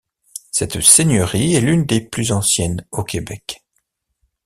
Cette seigneurie est l'une des plus anciennes au Québec.